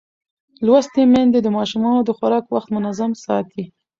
لوستې میندې د ماشوم د خوراک وخت منظم ساتي.